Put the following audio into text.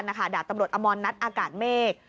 จากประดาษตำรวจอมรณ์นัดอากาศเมฆ